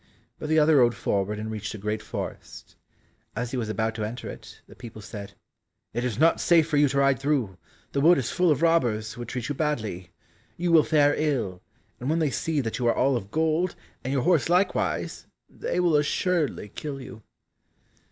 But the other rode forward and reached a great forest. As he was about to enter it, the people said, It is not safe for you to ride through, the wood is full of robbers who would treat you badly. You will fare ill, and when they see that you are all of gold, and your horse likewise, they will assuredly kill you.